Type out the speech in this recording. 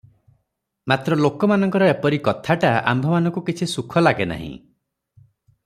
ମାତ୍ର ଲୋକମାନଙ୍କର ଏପରି କଥାଟା ଆମ୍ଭମାନଙ୍କୁ କିଛି ସୁଖ ଲାଗେ ନାହିଁ ।